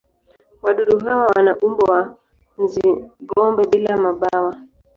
Wadudu hawa wana umbo wa nzi-gome bila mabawa.